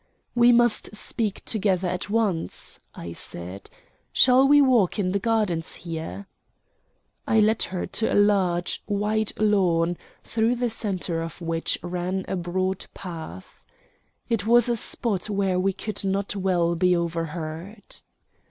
"We must speak together at once," I said. "Shall we walk in the gardens here?" I led her to a large, wide lawn, through the centre of which ran a broad path. It was a spot where we could not well be overheard.